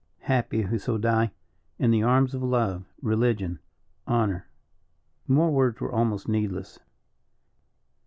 Happy who so die, in the arms of love, religion, honour. More words are almost needless.